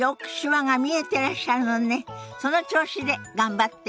その調子で頑張って。